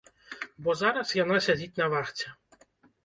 Бо зараз яна сядзіць на вахце.